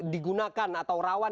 digunakan atau rawan